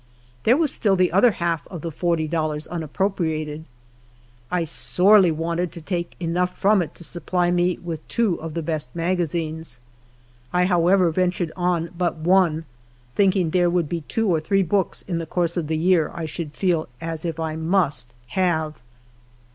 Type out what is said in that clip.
There was still the other half of the forty dollars unappropriated. I sorely wanted to take enough from it to supply me with two of the best HALF A DIME A DAY. 5 iiiHirazines. 1 however ventured on but one, thinking there would be two or three books in course of tlie year 1 should feel as if I must have.